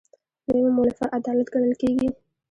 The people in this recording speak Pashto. دویمه مولفه عدالت ګڼل کیږي.